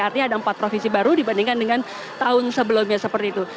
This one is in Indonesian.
artinya ada empat provinsi baru dibandingkan dengan tahun sebelumnya seperti itu